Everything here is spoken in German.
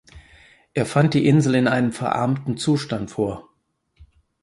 Er fand die Insel in einem verarmten Zustand vor.